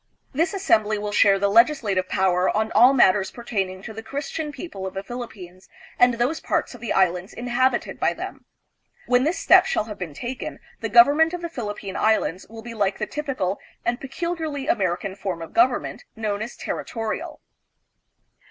This assembly will share 'the legislative power on all matters pertaining to the Christian people of the Philippines and those parts of the Islands inhabited by them. When this step shall have been taken, the government of the Philippine Islands will be like the typical and peculiarly American form of government known as territorial.